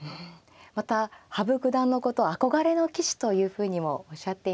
また羽生九段のことを憧れの棋士というふうにもおっしゃっていました。